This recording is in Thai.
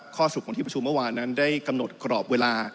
ข้อสรุปของที่ประชุมเมื่อวานนั้นได้กำหนดกรอบเวลา